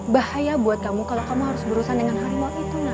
bahaya buat kamu kalau kamu harus berurusan dengan harimau itu nya